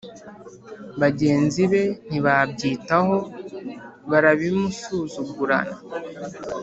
bagenzi be ntibabyitaho barabimusuzugurana.